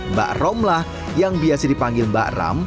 mbak rom lah yang biasa dipanggil mbak ram